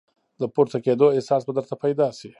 د پورته کېدو احساس به درته پیدا شي !